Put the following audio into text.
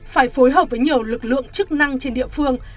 phải phối hợp với nhiều lực lượng chức năng trên địa phương